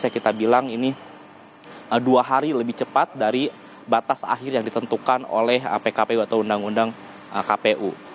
yang kita bilang ini dua hari lebih cepat dari batas akhir yang ditentukan oleh pkpu atau undang undang kpu